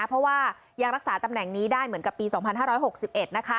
เพราะว่ายังรักษาตำแหน่งนี้ได้เหมือนกับปีสองพันห้าร้อยหกสิบเอ็ดนะคะ